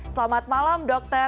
selamat malam dokter